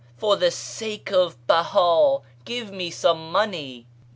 For the sake of Beha give me some money